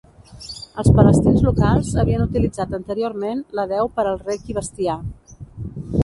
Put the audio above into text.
Els palestins locals havien utilitzat anteriorment la deu per al reg i bestiar.